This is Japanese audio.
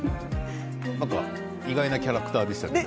何か意外なキャラクターでしたけど。